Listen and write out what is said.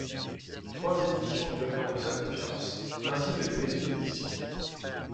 Trois éditions lui accordent sa confiance, ainsi que des maisons de disques.